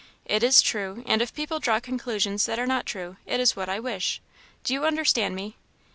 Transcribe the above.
It is true, and if people draw conclusions that are not true, it is what I wish. Do you understand me?"